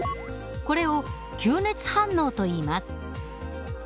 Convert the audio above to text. これを吸熱反応といいます。